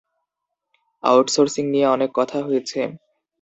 Outsourcing নিয়ে অনেক কথা হয়েছে।